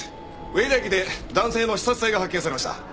上田駅で男性の刺殺体が発見されました。